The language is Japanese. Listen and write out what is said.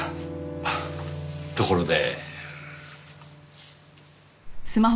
あっところで。